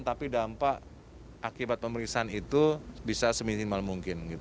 tapi dampak akibat pemeriksaan itu bisa seminimal mungkin